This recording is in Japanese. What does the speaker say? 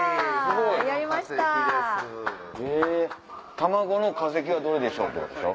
卵の化石はどれでしょう？でしょ